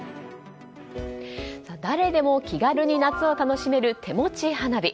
誰でも気軽に夏を楽しめる手持ち花火。